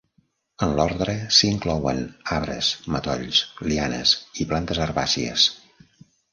En l'ordre, s'inclouen arbres, matolls, lianes i plantes herbàcies.